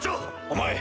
お前！